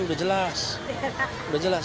sudah jelas sudah jelas